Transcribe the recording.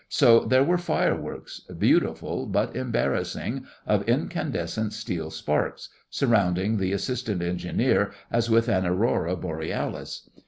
So there were fireworks, beautiful but embarrassing, of incandescent steel sparks, surrounding the Assistant Engineer as with an Aurora Borealis.